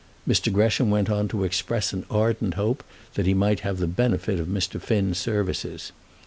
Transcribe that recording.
Mr. Gresham went on to express an ardent hope that he might have the benefit of Mr. Finn's services.